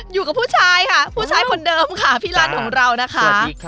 อยู่กับผู้ชายค่ะผู้ชายคนเดิมค่ะพี่รันของเรานะคะ